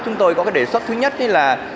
chúng tôi có đề xuất thứ nhất là